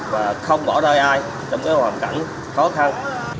và không bỏ rơi ai trong cái hoàn cảnh khó khăn